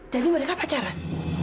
jadi mereka pacaran